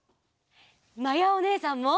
まやおねえさんも！